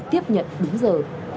tiếp nhận đúng giờ